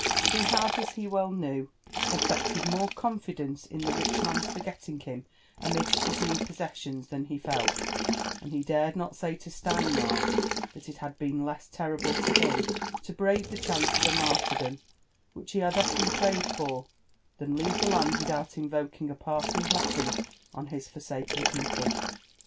He had, as he well knew, affected more confidence in the rich man's forgetting him amidst his new possessions than he felt ; and he dared not say to Steinmark that it had been less terrible to him (o brave (he chance of a martyrdom — which he had oflen prayed for — than leave the land without invoking a parting blessing on his forsaken people.